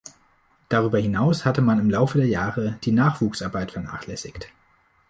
Darüber hinaus hatte man im Laufe der Jahre die Nachwuchsarbeit vernachlässigt.